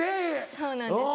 そうなんです。